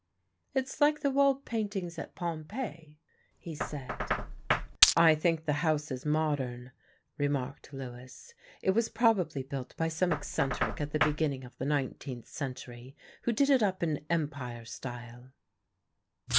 "It's like the wall paintings at Pompeii," he said. "I think the house is modern," remarked Lewis. "It was probably built by some eccentric at the beginning of the nineteenth century, who did it up in Empire style."